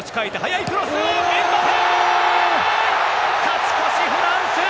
勝ち越し、フランス！